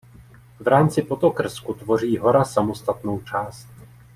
V rámci podokrsku tvoří hora samostatnou část.